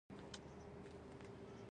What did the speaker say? د غزني په مالستان کې د اوسپنې نښې شته.